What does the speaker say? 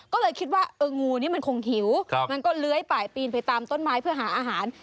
ก็เลยคิดว่าเอองูนี้มันคงหิวมันก็เลื้อยไปปีนไปตามต้นไม้เพื่อหาอาหาร